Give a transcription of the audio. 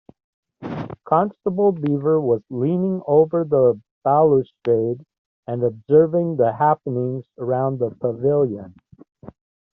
Constable Beaver was leaning over the balustrade and observing the happenings around the pavilion.